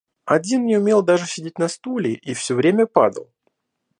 Один не умел даже сидеть на стуле и все время падал.